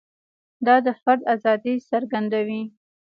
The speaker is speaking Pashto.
دا د فرد ازادي څرګندوي.